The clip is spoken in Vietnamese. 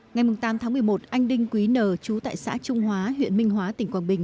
ngày tám tháng một mươi một anh đinh quý n chú tại xã trung hóa huyện minh hóa tỉnh quảng bình